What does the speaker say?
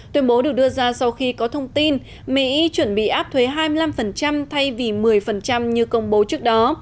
tuyên bố được đưa ra sau khi có thông tin mỹ chuẩn bị áp thuế hai mươi năm thay vì một mươi như công bố trước đó